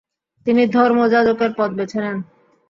তিনি ধর্মযাজকের পথ বেছে নেন।